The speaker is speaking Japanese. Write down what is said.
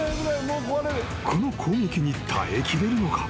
［この攻撃に耐えきれるのか？］